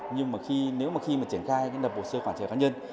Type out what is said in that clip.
nhưng mà khi nếu mà khi mà triển khai những lập hồ sơ khoản trẻ cá nhân